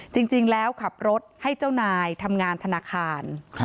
จริงแล้วขับรถให้เจ้านายทำงานธนาคาร